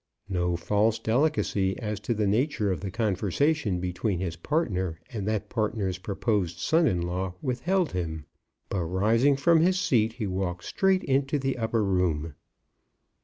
No false delicacy as to the nature of the conversation between his partner and that partner's proposed son in law withheld him; but rising from his seat, he walked straight into the upper room.